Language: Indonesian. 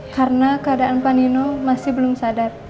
karena keadaan pak nino masih belum sadar